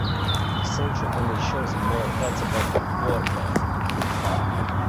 The central image shows a male's head above a quadruped.